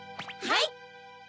はい！